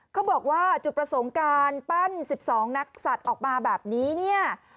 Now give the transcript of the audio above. เขาบอกว่าจุดประสงค์การปั้น๑๒นักสัตว์ออกมาแบบนี้เนี่ย